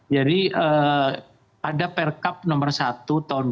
jadi ada perkap nomor satu tahun dua ribu sembilan belas